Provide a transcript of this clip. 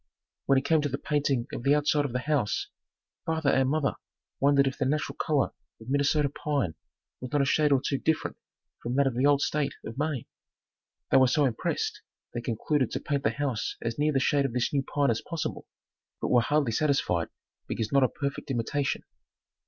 When it came to the painting of the outside of the house, father and mother wondered if the natural color of Minnesota pine was not a shade or two different from that of the old state of Maine. They were so impressed they concluded to paint the house as near the shade of this new pine as possible, but were hardly satisfied because not a perfect imitation.